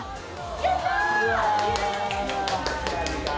やったー！